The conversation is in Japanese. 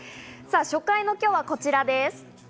初回の今日はこちらです。